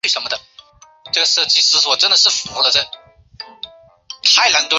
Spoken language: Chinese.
霍尔特加斯特是德国下萨克森州的一个市镇。